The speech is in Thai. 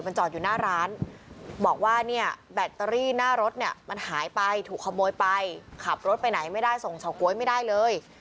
มันจอดอยู่หน้าร้านบอกว่าเนี่ยแบตเตอรี่หน้ารถเนี่ยมันหายไปถูกขโมยไปขับรถไปไหนไม่ได้ส่งเฉาก๊วยไม่ได้เลย